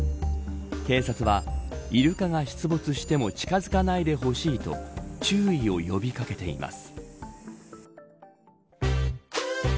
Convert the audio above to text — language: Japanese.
警察はイルカが出没しても近づかないでほしいと注意を呼び掛けています。